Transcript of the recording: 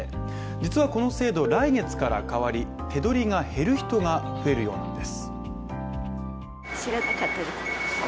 実はこの制度、来月から変わり手取りが減る人が増えるようなんです。